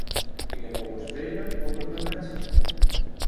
Ik heb horen spreken over preventie.